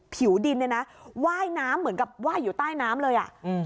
ผิวดินเนี่ยนะว่ายน้ำเหมือนกับว่ายอยู่ใต้น้ำเลยอ่ะอืม